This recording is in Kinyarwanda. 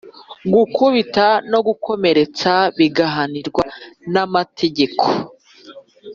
gukubita no gukomeretsa bigahanirwa nama tegeko